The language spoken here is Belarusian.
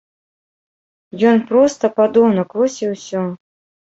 Ён проста падонак, вось і ўсё.